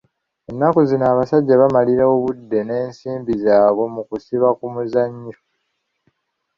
Ennaku zino abasajja bamalira obudde n'ensimbi zaabwe mu kusiba ku mizannyo.